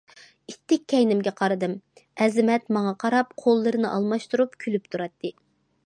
ئىتتىك كەينىمگە قارىدىم، ئەزىمەت ماڭا قاراپ قوللىرىنى ئالماشتۇرۇپ، كۈلۈپ تۇراتتى.